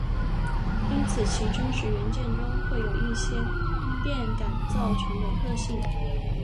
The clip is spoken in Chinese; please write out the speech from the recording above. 因此其真实元件中会有一些电感造成的特性。